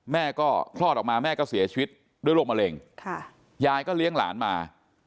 แม่ก็คลอดออกมาแม่ก็เสียชีวิตด้วยโรคมะเร็งยายก็เลี้ยงหลานมา